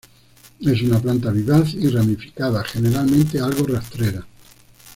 Es una planta vivaz y ramificada, generalmente algo rastrera.